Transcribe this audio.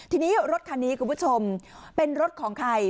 ทีนี้รถคันนี้คุณผู้ชมเป็นรถของใคร